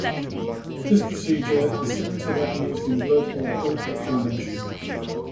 This procedure is similar to that used in blood or platelet donation.